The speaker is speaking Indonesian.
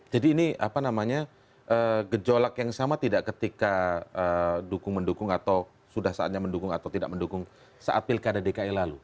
jadi ini apa namanya gejolak yang sama tidak ketika dukung mendukung atau sudah saatnya mendukung atau tidak mendukung saat pilkada dki lalu